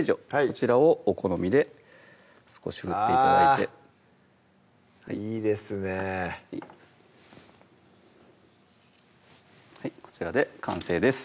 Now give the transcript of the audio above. こちらをお好みで少し振って頂いていいですねはいこちらで完成です